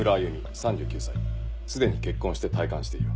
３９歳すでに結婚して退官している。